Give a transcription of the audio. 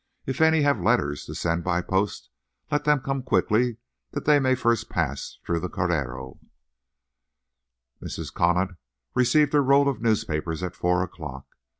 If any have letters to send by the post, let them come quickly, that they may first pass through the correo." Mrs. Conant received her roll of newspapers at four o'clock.